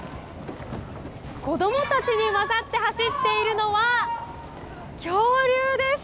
子どもたちに交ざって走っているのは、恐竜です。